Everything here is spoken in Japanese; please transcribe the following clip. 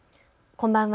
こんばんは。